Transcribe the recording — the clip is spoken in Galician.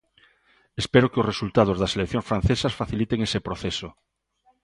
Espero que o resultados das eleccións francesas faciliten ese proceso.